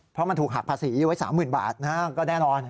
เพราะมันถูกหักภาษีไว้๓๐๐๐บาทก็แน่นอน